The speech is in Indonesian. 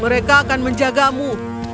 mereka akan menjagamu